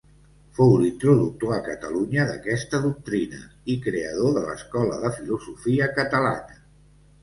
Fou l'introductor a Catalunya d'aquesta doctrina i creador de l'escola de filosofia catalana.